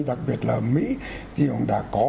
đặc biệt là mỹ thì đã có